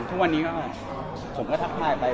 ทุกวันนี้ก็สนุกขับทายสร้าง